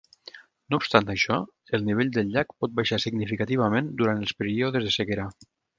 No obstant això, el nivell del llac pot baixar significativament durant els períodes de sequera.